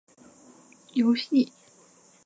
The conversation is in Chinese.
游戏